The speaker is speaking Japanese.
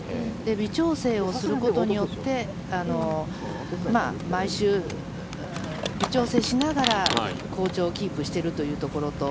微調整をすることによって毎週、微調整しながら好調をキープしているというところと。